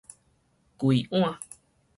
整碗